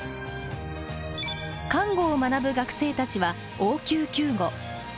看護を学ぶ学生たちは応急救護。